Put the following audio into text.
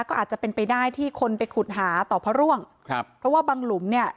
ก็อาจจะเป็นไปได้ที่คนไปขุดหาต่อพระร่วงครับเพราะว่าบางหลุมเนี่ย